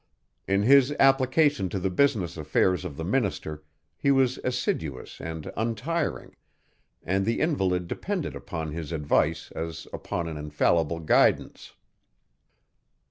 In his application to the business affairs of the minister, he was assiduous and untiring, and the invalid depended upon his advice as upon an infallible guidance.